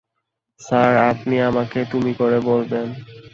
Sir, আপনি আমাকে তুমি করে বলবেন।